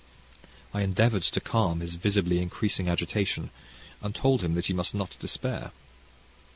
I endeavoured to calm his visibly increasing agitation, and told him that he must not despair.